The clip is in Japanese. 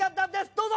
どうぞ！